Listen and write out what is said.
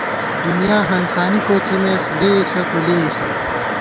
دُنیا ہانسانی کوڅِمېس لېئیسہ تُو لېئیسہ